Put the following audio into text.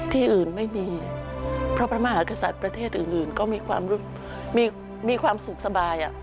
ที่อื่นไม่มีเพราะพระมหากษัตริย์ประเทศอื่นก็มีความสุขสบาย